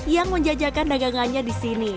yang menjajakan dagangannya di sini